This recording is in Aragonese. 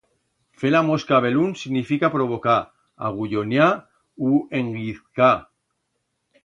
Fer la mosca a belún significa provocar, agulloniar u enguizcar.